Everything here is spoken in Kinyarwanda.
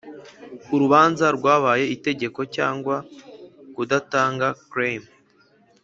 urubanza rwabaye itegeko cyangwa kudatanga claim